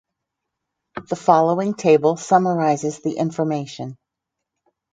The following table summarises the information.